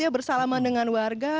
bersalaman dengan warga